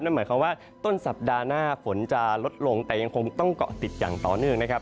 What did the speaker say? หมายความว่าต้นสัปดาห์หน้าฝนจะลดลงแต่ยังคงต้องเกาะติดอย่างต่อเนื่องนะครับ